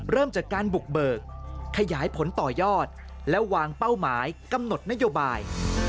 เริ่มจากการบุกเบิกขยายผลต่อยอดและวางเป้าหมายกำหนดนโยบาย